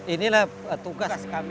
inilah tugas kami